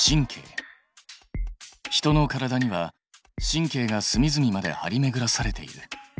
人の体には神経がすみずみまで張りめぐらされている。